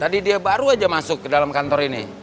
tadi dia baru aja masuk ke dalam kantor ini